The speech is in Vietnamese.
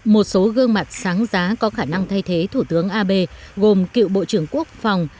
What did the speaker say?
một số gương mặt sáng giá có khả năng thay thế thủ tướng abe gồm cựu bộ trưởng quốc phòng